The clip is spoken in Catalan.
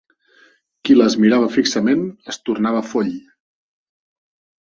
Qui les mirava fixament es tornava foll.